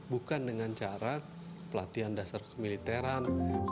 bukan dengan cara pelatihan dasar kemiliteran